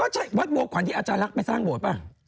ก็ใช่วัดบัวขวัญที่อาจารย์รักษณ์ไปสร้างบทป่า